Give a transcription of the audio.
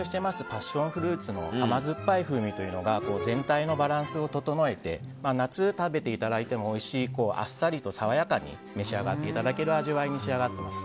パッションフルーツの甘酸っぱい風味が全体のバランスを整えて夏食べていただいてもおいしいあっさりと爽やかに召し上がっていただける味わいに仕上がっています。